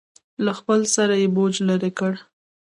له خپل سره یې بوج لرې کړ.